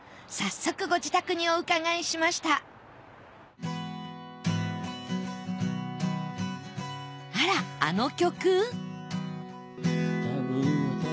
早速ご自宅にお伺いしましたあらあの曲？